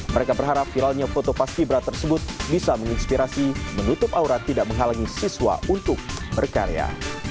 mereka berharap viralnya foto paski bra tersebut bisa menginspirasi menutup aura tidak menghalangi siswa untuk berkarya